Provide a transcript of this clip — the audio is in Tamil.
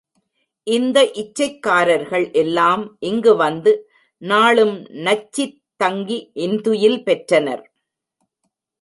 இந்த இச்சைக்காரர்கள் எல்லாம் இங்கு வந்து நாளும் நச்சித் தங்கி இன்துயில் பெற்றனர்.